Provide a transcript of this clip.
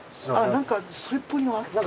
何かそれっぽいの。